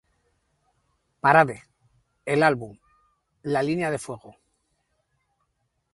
Parade", el álbum "La línea de fuego.